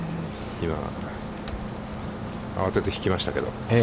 今、慌てて引きましたけれども。